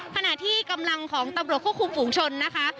ขณะที่กำลังของตำรวจควบคุมฝูงชนนะคะ